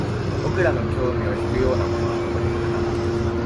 僕らの興味を引くようなものはどこにもなかった